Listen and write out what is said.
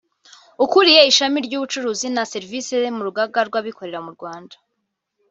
ukuriye ishami ry’ubucuruzi na serivisi mu Rugaga rw’Abikorera mu Rwanda